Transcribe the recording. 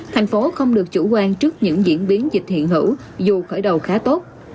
thành phố không được chủ quan trước những diễn biến dịch hiện hữu dù khởi đầu khá tốt